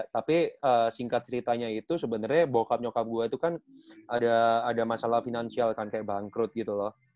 tapi singkat ceritanya itu sebenarnya bokap nyokap gue itu kan ada masalah finansial kan kayak bangkrut gitu loh